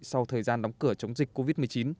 sau thời gian đóng cửa chống dịch covid một mươi chín